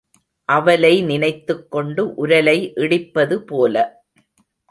அவலை நினைத்துக்கொண்டு உரலை இடிப்பது போல.